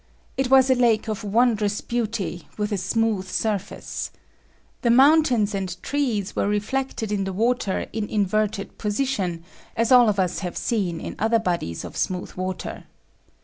It was a lake of wondrous beauty, with a smooth surface. The moun tains and trees were reflected in the water in inverted position, as all of us have seen in other bodies of smooth water.